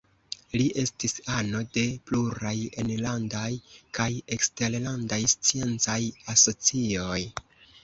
Li estis ano de pluraj enlandaj kaj eksterlandaj sciencaj asocioj.